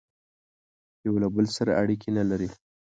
یوه له بل سره اړیکي نه لري